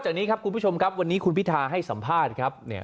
จากนี้ครับคุณผู้ชมครับวันนี้คุณพิธาให้สัมภาษณ์ครับเนี่ย